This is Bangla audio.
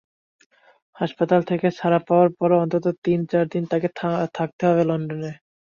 হাসপাতাল থেকে ছাড়া পাওয়ার পরও অন্তত তিন-চার দিন তাঁকে থাকতে হবে লন্ডনে।